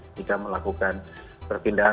pastikan datanya selalu update